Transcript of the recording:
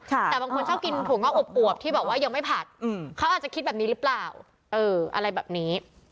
แต่บางคนชอบกินถั่วงอกอวบที่บอกว่ายังไม่ผัดเขาอาจจะคิดแบบนี้หรือเปล่าเอออะไรแบบนี้